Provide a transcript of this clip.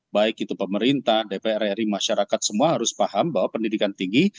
baik itu pemerintah dpr ri masyarakat semua harus paham bahwa pendidikan tinggi